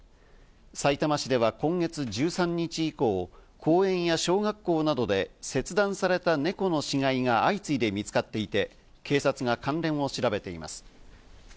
さいたま市では今月１３日以降、公園や小学校などで切断された猫の死骸が相次いで見つかっていて、警察が関連を調べています。